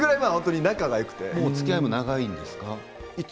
おつきあいも長いんですか。